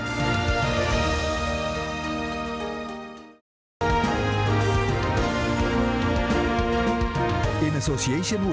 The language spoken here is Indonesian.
musim kudengar mudahfia hasil pan investigate alretm